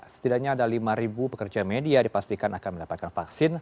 setidaknya ada lima pekerja media dipastikan akan mendapatkan vaksin